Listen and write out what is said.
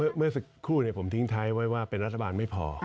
เมื่อสักครู่ผมทิ้งท้ายไว้ว่าเป็นรัฐบาลไม่พอ